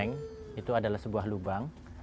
tank itu adalah sebuah lubang